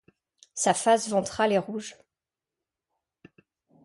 Sa face ventrale est rouge.